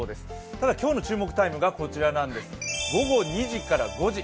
ただ今日の注目タイムがこちらなんです、午後２時から５時。